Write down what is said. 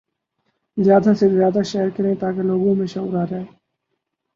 زیادہ سے زیادہ شیئر کریں تاکہ لوگوں میں شعور آجائے